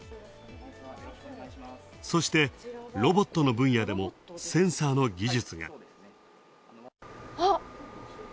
そしてロボットの分野でもセンサーの技術が。